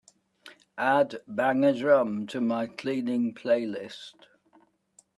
add bang a drum to my cleaning playlist